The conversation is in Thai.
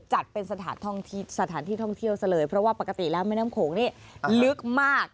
จัดเป็นสถานที่ท่องเที่ยวซะเลยเพราะว่าปกติแล้วแม่น้ำโขงนี่ลึกมาก